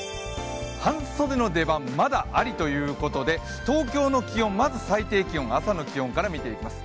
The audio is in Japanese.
半袖の出番まだありということで東京の気温、まず最低気温、朝の気温から見ていきます。